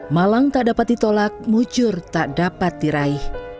malang tak dapat ditolak mujur tak dapat diraih